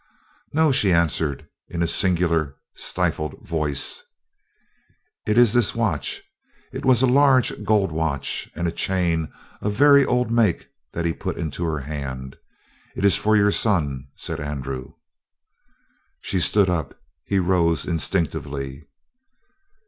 "No," she answered in a singular, stifled voice. "It is this watch." It was a large gold watch and a chain of very old make that he put into her hand. "It is for your son," said Andrew. She stood up; he rose instinctively.